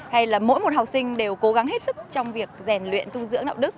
hay là mỗi một học sinh đều cố gắng hết sức trong việc rèn luyện tu dưỡng đạo đức